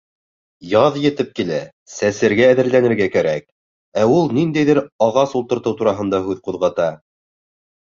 Яҙ етеп килә, сәсергә әҙерләнергә кәрәк, ә ул ниндәйҙер ағас ултыртыу тураһында һүҙ ҡуҙғата.